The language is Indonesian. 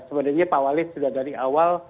sebenarnya pak walid sudah dari awal